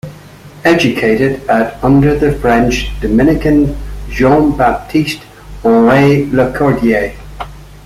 Educated at under the French Dominican Jean-Baptiste Henri Lacordaire.